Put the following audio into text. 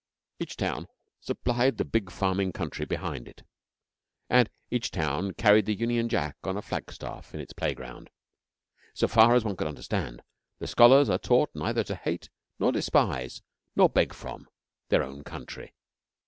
Each town supplied the big farming country behind it, and each town school carried the Union Jack on a flagstaff in its playground. So far as one could understand, the scholars are taught neither to hate, nor despise, nor beg from, their own country.